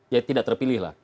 ya tidak terpilih